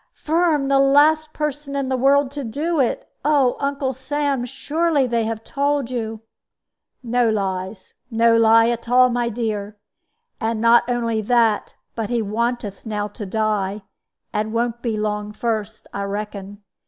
"Firm the last person in the world to do it! Oh, Uncle Sam, surely they have told you " "No lies no lie at all, my dear. And not only that, but he wanteth now to die and won't be long first, I reckon.